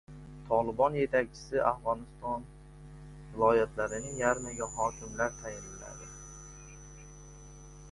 “Tolibon” yetakchisi Afg‘oniston viloyatlarining yarmiga hokimlar tayinladi